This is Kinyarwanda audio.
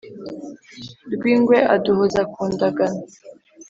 Rwingwe aduhoza ku ndagano.